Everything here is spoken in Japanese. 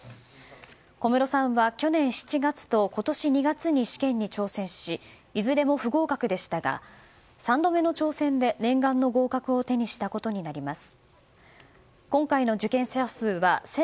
小室さんは去年７月と今年２月に試験に挑戦しいずれも不合格でしたが３度目の挑戦で念願の合格を手にしたことになります。